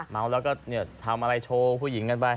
เมาแล้วก็ทำอะไรโชว์ผู้หญิงกันไป